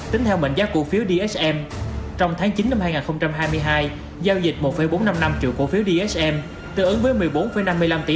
tính theo mệnh giá cổ phiếu dsm trong tháng một mươi năm hai nghìn hai mươi hai